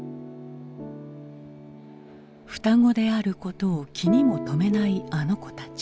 双子であることを気にも留めないあの子たち。